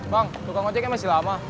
bang tukang ojeknya masih lama